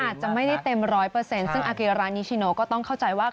อาจจะไม่ได้เต็มร้อยเปอร์เซ็นต์ซึ่งอาเกรานิชิโนก็ต้องเข้าใจว่า